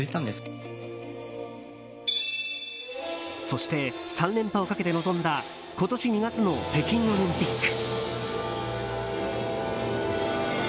そして、３連覇をかけて臨んだ今年２月の北京オリンピック。